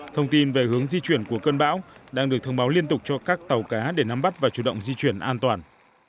thông tin về hướng di chuyển của cơn bão đang được thông báo liên tục cho các tàu cá để nắm bắt và chủ động di chuyển an toàn